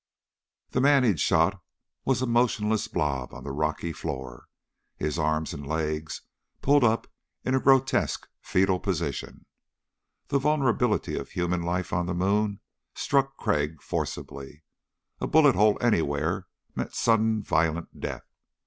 The man he'd shot was a motionless blob on the rocky floor, his arms and legs pulled up in a grotesque fetal position. The vulnerability of human life on the moon struck Crag forcibly. A bullet hole anywhere meant sudden violent death.